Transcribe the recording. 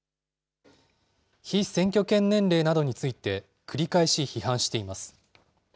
被選挙権年齢などについて繰り返し批判しています。